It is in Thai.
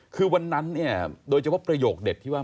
คือวันนั้นเนี่ยโดยเฉพาะประโยคเด็ดที่ว่า